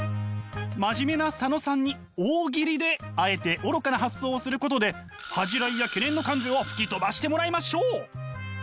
真面目な佐野さんに大喜利であえて愚かな発想をすることで恥じらいや懸念の感情を吹き飛ばしてもらいましょう！